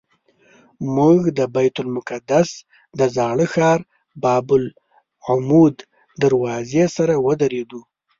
موږ د بیت المقدس د زاړه ښار باب العمود دروازې سره ودرېدو.